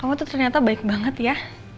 oh tuh ternyata baik banget ya